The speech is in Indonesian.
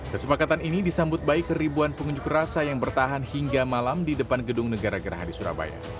kesepakatan ini disambut baik ribuan pengunjuk rasa yang bertahan hingga malam di depan gedung negara geraha di surabaya